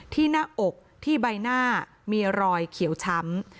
หน้าอกที่ใบหน้ามีรอยเขียวช้ำ